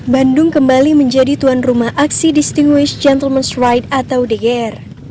bandung kembali menjadi tuan rumah aksi distinguished gentleman's ride atau dgr